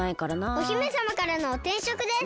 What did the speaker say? お姫さまからのてんしょくです。